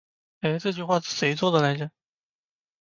欸，这句话是谁说的来着。